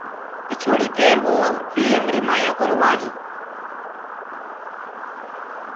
پِڇوڙي پيروو بي همري مايانٚ ڪو روآج هي۔